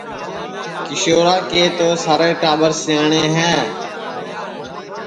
کیشورا کے تو سارے ٹاٻر سیاٹؔے ہے